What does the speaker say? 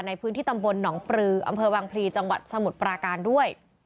ในพื้นที่ตำบลหนองปลืออำเภอวังพลีจังหวัดสมุทรปราการด้วย